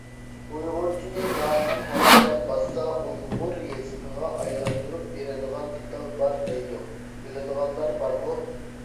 ئۇيغۇرچىنى لاتىن ھەرپىدە باسسا ئۇيغۇر يېزىقىغا ئايلاندۇرۇپ بېرىدىغان دېتال بار دەيدۇ؟ بىلىدىغانلار بارمۇ؟